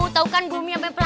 tau kan bumi sampai pantai